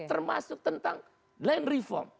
termasuk tentang land reform